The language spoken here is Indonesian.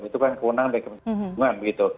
itu kan kewenangan dari kementerian